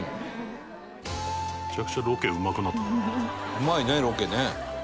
うまいねロケね。